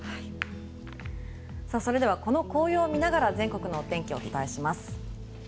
それでは、この紅葉を見ながら全国のお天気をお伝えします。